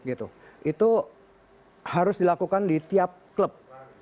itu harus dilakukan di tiap klub